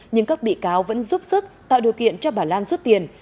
nhưng các bị cáo vẫn giúp sức tạo điều kiện cho bà lan rút tiền